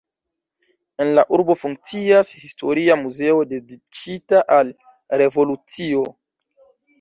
En la urbo funkcias historia muzeo dediĉita al revolucio.